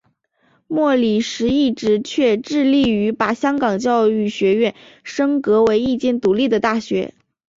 莫礼时一直却致力于把香港教育学院升格为一间独立的大学。